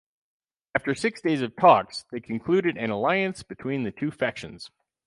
After six days of talks, they concluded an alliance between the two factions.